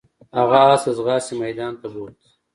هغه اس ته د ځغاستې میدان ته بوت.